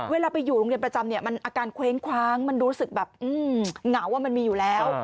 เวลาไปอยู่โรงเรียนประจำเนี่ยมันอาการเคว้งคว้างมันรู้สึกแบบเหงามันมีอยู่แล้ว